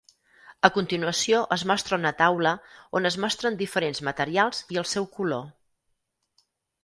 A continuació es mostra una taula on es mostren diferents materials i el seu color.